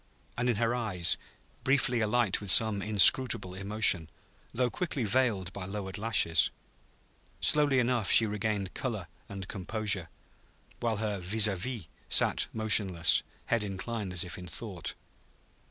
and in her eyes, briefly alight with some inscrutable emotion, though quickly veiled by lowered lashes. Slowly enough she regained color and composure, while her vis à vis sat motionless, head inclined as if in thought.